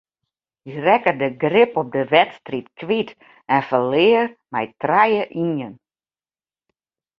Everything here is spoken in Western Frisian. Hy rekke de grip op de wedstryd kwyt en ferlear mei trije ien.